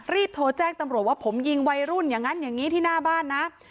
รีบโทรแจ้งตำรวจว่าผมยิงวัยรุ่นอย่างนั้นอย่างนี้ที่หน้าบ้านนะ